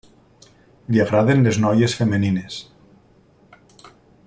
Li agraden les noies femenines.